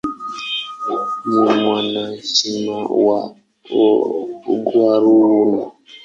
Ni mwanachama wa "Aguaruna".